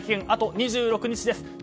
あと２６日です。